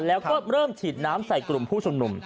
แล้วก็เริ่มฉีดน้ำใส่กลุ่มผู้ชุมนุม